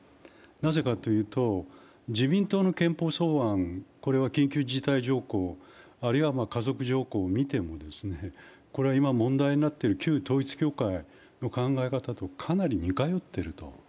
なぜかというと、自民党の憲法草案、これは緊急事態条項、あるいは家族条項を見ても今問題になっている旧統一教会の考え方とかなり似通っていると。